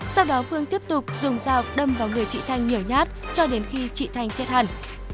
sau đó phương tiếp tục dùng dao đâm vào người chị thanh nhiều nhát cho đến khi chị thanh chết hẳn